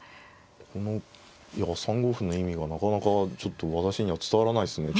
このいや３五歩の意味がなかなかちょっと私には伝わらないですね。